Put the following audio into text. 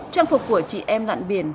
trang phục của chị em lặn biển